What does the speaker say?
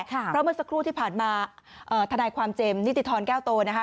เพราะเมื่อสักครู่ที่ผ่านมาทนายความเจมส์นิติธรแก้วโตนะคะ